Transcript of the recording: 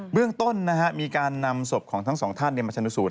เบื้องต้นนะฮะมีการนำสบของทั้งสองท่านเนี่ยมาชะนุสูตร